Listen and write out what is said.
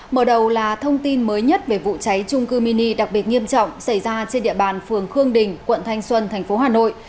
mở đầu là thông tin mới nhất về vụ cháy trung cư mini đặc biệt nghiêm trọng xảy ra trên địa bàn phường khương đình quận thanh xuân tp hà nội